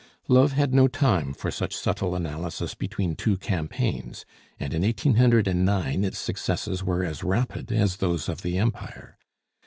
Love had no time for such subtle analysis between two campaigns, and in 1809 its successes were as rapid as those of the Empire.